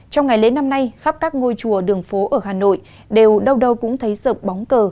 trong ngày lễ năm nay khắp các ngôi chùa đường phố ở hà nội đều đâu đâu cũng thấy sợ bóng cờ